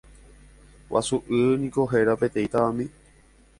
Guasu'y niko héra peteĩ tavami.